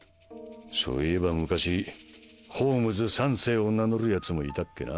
そういえば昔ホームズ三世を名乗るヤツもいたっけな。